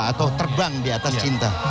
atau terbang di atas cinta